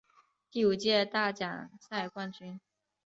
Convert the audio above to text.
第五届大奖赛冠军。